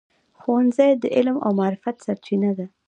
ښوونځی د علم او معرفت سرچینه ده.